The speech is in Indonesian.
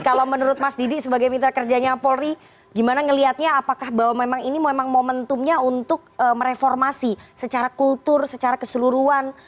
kalau menurut mas didi sebagai mitra kerjanya polri gimana ngelihatnya apakah bahwa memang ini memang momentumnya untuk mereformasi secara kultur secara keseluruhan